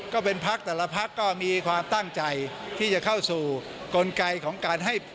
ก็เป็นพักแต่ละพักก็มีความตั้งใจที่จะเข้าสู่กลไกของการให้